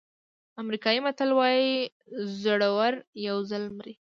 امریکایي متل وایي زړور یو ځل مري.